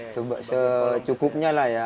secukupnya lah ya